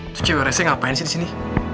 itu cewek rese ngapain sih disini